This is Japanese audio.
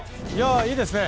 いいですね。